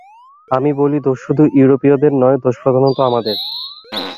আমি বলি, দোষ শুধু ইউরোপীয়দের নয়, দোষ প্রধানত আমাদের।